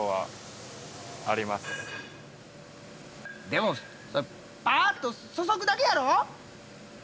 でもパっと注ぐだけやろ！？